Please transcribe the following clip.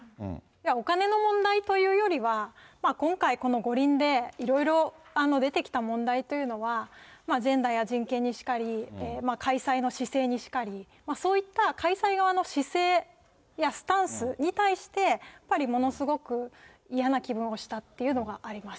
お金の問題というよりは、今回、この五輪でいろいろ出てきた問題というのは、ジェンダーや人権にしかり、開催の姿勢にしかり、そういった開催側の姿勢やスタンスに対して、やっぱりものすごく嫌な気分をしたっていうのがあります。